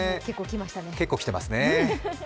結構きてますね。